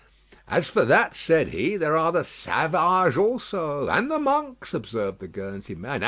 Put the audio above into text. "As for that," said he, "there are the Savages also." "And the Monks," observed the Guernsey man.